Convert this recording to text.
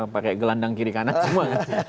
pakai gelandang kiri kanan semua